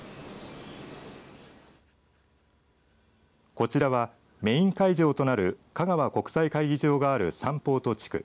こちらはメイン会場となるかがわ国際会議場があるサンポート地区。